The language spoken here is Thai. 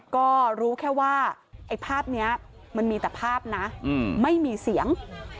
ก็รู้แค่ว่าไอ้ภาพนี้มันมีแต่ภาพนะไม่มีเสียง